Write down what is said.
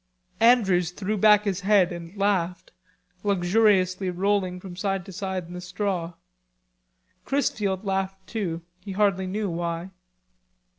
Andrews threw back his head and laughed, luxuriously rolling from side to side in the straw. Chrisfield laughed too, he hardly knew why.